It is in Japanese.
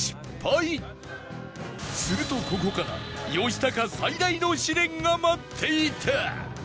するとここから吉高最大の試練が待っていた